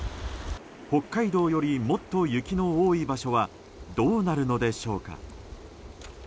北海道よりもっと雪の多い場所はどうなるのでしょうか。